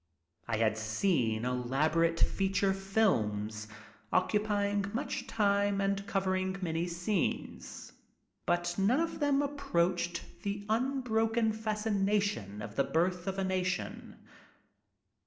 I had soon elaborate "feature tilms" occupying much time and covering many scenes. But none of them approached the unbroken fascination of "The Birth of a Nation."